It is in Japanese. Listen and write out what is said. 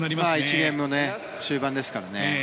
１ゲーム目の終盤ですからね。